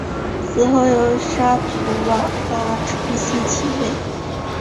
死后由沙图瓦拉承袭其位。